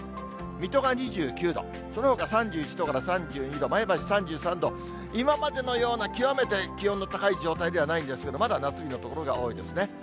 水戸が２９度、そのほか３１度から３２度、前橋３３度、今までのような極めて気温の高い状態ではないんですけれども、まだ夏日の所が多いですね。